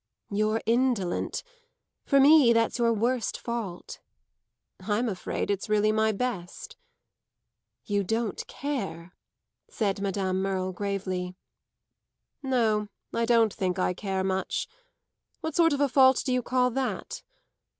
"You're indolent. For me that's your worst fault." "I'm afraid it's really my best." "You don't care," said Madame Merle gravely. "No; I don't think I care much. What sort of a fault do you call that?